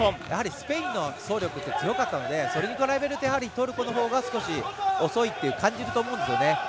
スペインの走力は強かったので、それに比べるとトルコのほうが少し遅いと感じると思うんですよね。